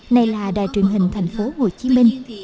này là đài truyền hình thành phố hồ chí minh